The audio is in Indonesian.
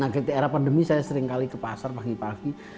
nah ketika era pandemi saya sering kali ke pasar pagi pagi